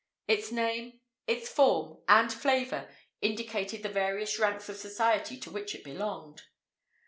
Its name, its form, and flavour indicated the various ranks of society to which it belonged.